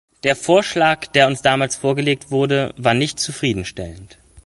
Der Vorschlag, der uns damals vorgelegt wurde, war nicht zufriedenstellend.